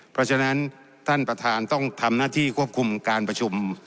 เพราะฉะนั้นท่านประธานต้องทำหน้าที่ควบคุมการประชุม